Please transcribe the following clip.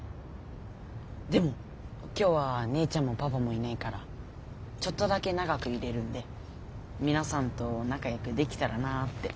でも今日は姉ちゃんもパパもいないからちょっとだけ長くいれるんで皆さんと仲よくできたらなあって。